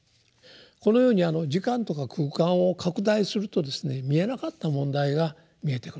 このように時間とか空間を拡大するとですね見えなかった問題が見えてくると。